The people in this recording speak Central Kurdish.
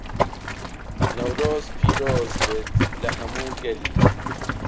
نەورۆز پیرۆزبێت لە هەموو گەلی